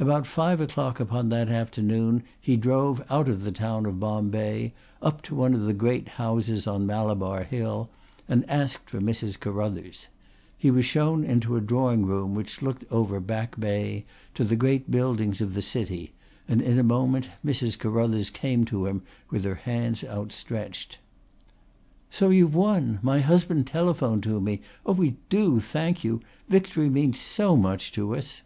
About five o'clock upon that afternoon he drove out of the town of Bombay up to one of the great houses on Malabar Hill and asked for Mrs. Carruthers. He was shown into a drawing room which looked over Back Bay to the great buildings of the city, and in a moment Mrs. Carruthers came to him with her hands outstretched. "So you've won. My husband telephoned to me. We do thank you! Victory means so much to us."